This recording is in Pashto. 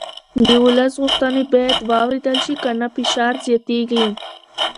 د ولس غوښتنې باید واورېدل شي که نه فشار زیاتېږي